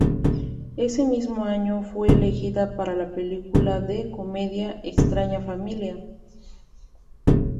Ese mismo año, fue elegida para la película de comedia "Extraña Familia".